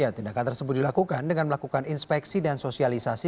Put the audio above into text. tindakan tersebut dilakukan dengan melakukan inspeksi dan sosialisasi